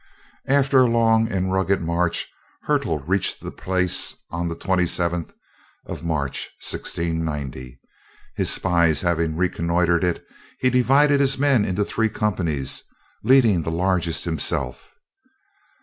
After a long and rugged march, Hertel reached the place on the 27th of March, 1690. His spies having reconnoitred it, he divided his men into three companies, leading the largest himself.